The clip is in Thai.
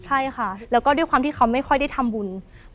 ใช่ค่ะแล้วก็ด้วยความที่เขาไม่ค่อยได้ทำบุญ